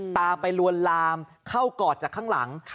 ตามไปลวนลามเข้ากอดจากข้างหลัง